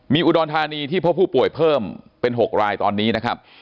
มีอุดรธานีที่พบผู้ป่วยเพิ่มเป็น๖รายตอนนี้นะครับ